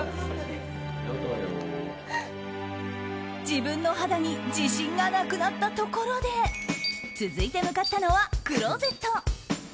自分の肌に自信がなくなったところで続いて向かったのはクローゼット。